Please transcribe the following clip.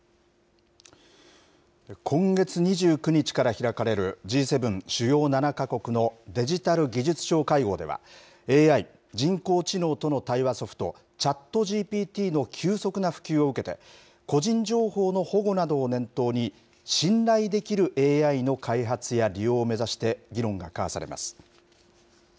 今月２９日から開かれる、Ｇ７・主要７か国のデジタル・技術相会合では、ＡＩ・人工知能との対話ソフト、チャットＧＰＴの急速な普及を受けて、個人情報の保護などを念頭に、信頼できるＡＩの開発や利用を目指して、議論が交わされます。